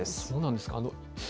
そうなんですか。